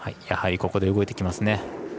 やはりここで動いてきますね。